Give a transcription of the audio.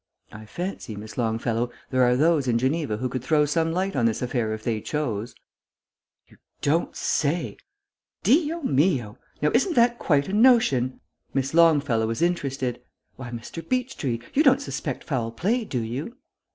"I fancy, Miss Longfellow, there are those in Geneva who could throw some light on this affair if they chose." "You don't say! Dio mio! Now isn't that quite a notion!" Miss Longfellow was interested. "Why, Mr. Beechtree, you don't suspect foul play, do you?"